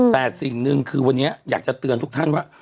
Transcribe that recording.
แต่สิ่งหนึ่งคือวันนี้อยากจะเตือนทุกท่านว่า